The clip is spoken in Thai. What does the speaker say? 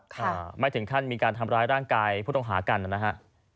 ค่ะไม่ถึงขั้นมีการทำร้ายร่างกายผู้ต้องหากันนะฮะ